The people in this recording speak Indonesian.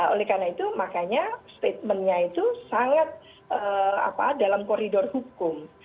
oleh karena itu makanya statementnya itu sangat dalam koridor hukum